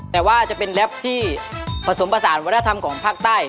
แต่ว่าจะเป็นแรปที่ผสมผสานวัฒนธรรมของภาคใต้